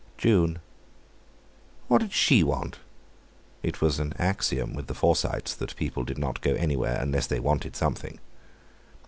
"June." "What did she want?" It was an axiom with the Forsytes that people did not go anywhere unless they wanted something.